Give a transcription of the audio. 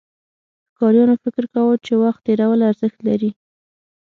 ښکاریانو فکر کاوه، چې وخت تېرول ارزښت لري.